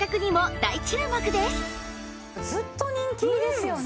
ずっと人気ですよね。